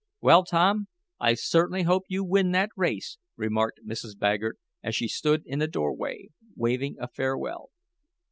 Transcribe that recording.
"Well, Tom, I certainly hope you win that race," remarked Mrs. Baggert, as she stood in the doorway, waving a farewell.